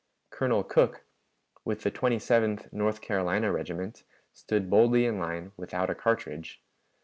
Colonel Cooke, with the Twenty seventh North Carolina Regiment, stood boldly in line without a cartridge.